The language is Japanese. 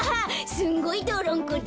すごいどろんこだ。